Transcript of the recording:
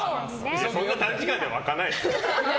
そんな短時間で湧かないですよ。